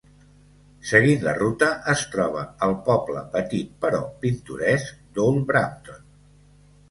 Seguint la ruta es troba el poble petit però pintoresc d'Old Brampton.